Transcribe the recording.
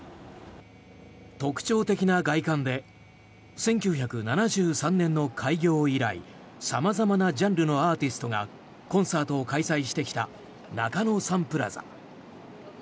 特徴的な外観で１９７３年の開業以来様々なジャンルのアーティストがコンサートを開催してきた中野サンプラザ。